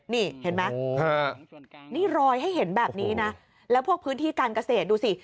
นี่เห็นไหมนี่รอยให้เห็นแบบนี้นะแล้วพวกพื้นที่การเกษตรดูสิ